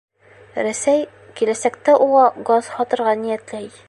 Рәсәй киләсәктә уға газ һатырға ниәтләй.